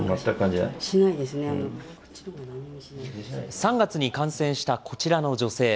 ３月に感染したこちらの女性。